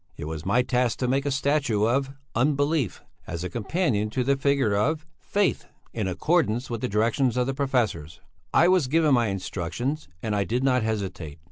It was my task to make a statue of Unbelief, as a companion to the figure of Faith, in accordance with the directions of the professors. I was given my instructions and I did not hesitate.